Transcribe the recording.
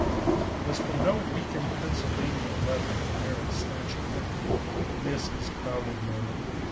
It was from no weakened Pennsylvania Eleven that Barrett snatched the victory in this his crowded moment.